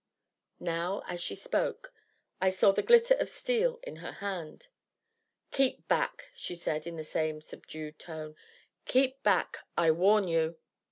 Now, as she spoke, I saw the glitter of steel in her hand. "Keep back!" she said, in the same subdued tone, "keep back I warn you!"